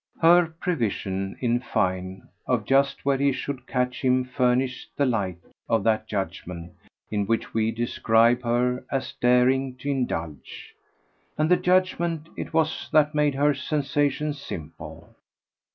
Her prevision, in fine, of just where she should catch him furnished the light of that judgement in which we describe her as daring to indulge. And the judgement it was that made her sensation simple.